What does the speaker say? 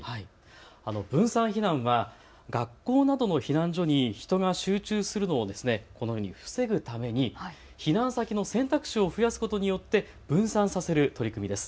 分散避難は学校などの避難所に人が集中するのを防ぐために避難先の選択肢を増やすことによって分散させる取り組みです。